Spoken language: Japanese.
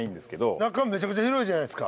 中めちゃくちゃ広いじゃないですか。